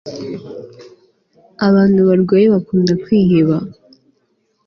abantu barwaye bakunda kwiheba